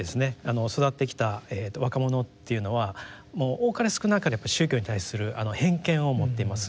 育ってきた若者っていうのは多かれ少なかれ宗教に対する偏見を持っています。